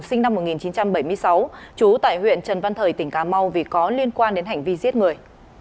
sinh năm một nghìn chín trăm bảy mươi sáu trú tại huyện trần văn thời tỉnh cà mau vì có liên quan đến hành vi giết người